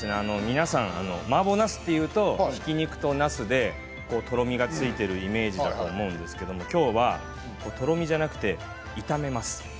マーボーなすというとひき肉と、なすでとろみがついているというイメージなんですが、きょうはとろみじゃなくて炒めます。